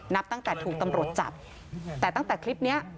นับตั้งแต่ถูกตำรวจจับแต่ตั้งแต่คลิปเนี้ย